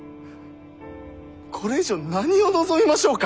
これ以上何を望みましょうか。